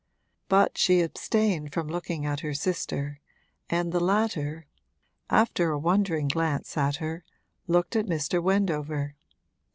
But she abstained from looking at her sister, and the latter, after a wondering glance at her, looked at Mr. Wendover.